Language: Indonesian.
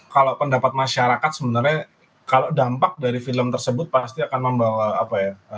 kalau pendapat masyarakat sebenarnya kalau dampak dari film tersebut pasti akan membawa apa ya